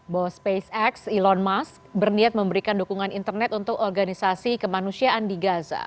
bospacex elon musk berniat memberikan dukungan internet untuk organisasi kemanusiaan di gaza